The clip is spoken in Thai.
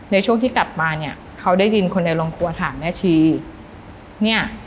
ในช่วงที่กลับมาเนี่ยเขาได้ยินคนในโรงครัวถามแม่ชีเนี่ย